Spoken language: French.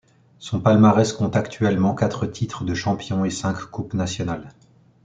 Son palmarès compte actuellement quatre titres de champions et cinq Coupes nationales.